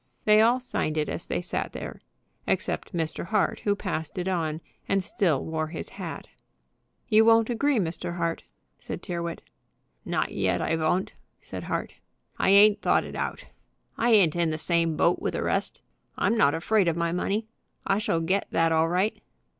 They all signed it as they sat there, except Mr. Hart, who passed it on, and still wore his hat. "You won't agree, Mr. Hart?" said Tyrrwhit. "Not yet I von't," said Hart. "I ain't thought it out. I ain't in the same boat with the rest. I'm not afraid of my money. I shall get that all right."